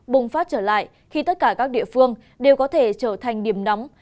bùng phát trở lại khi tất cả các địa phương đều có thể trở thành điểm nóng